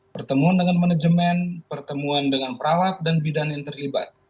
pertemuan dengan manajemen pertemuan dengan perawat dan bidan yang terlibat